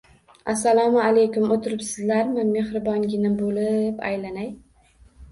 Assalomu alaykum, oʻtiribsizlarmi mehribongina boʻlib, aylanay